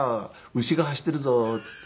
牛が走っているぞ」って言って。